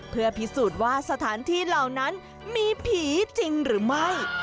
เพื่อพิสูจน์ว่าสถานที่เหล่านั้นมีผีจริงหรือไม่